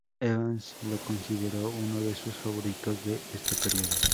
Evans lo consideró uno de sus favoritos de este periodo.